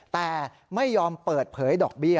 แต่ไม่ยอมเปิดเผยดอกเบี้ย